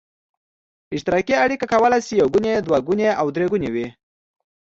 اشتراکي اړیکه کولای شي یو ګونې، دوه ګونې او درې ګونې وي.